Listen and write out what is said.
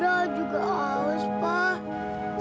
ibrah juga haus pak